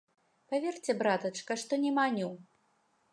Паверце, братачка, што не маню.